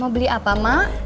mau beli apa mak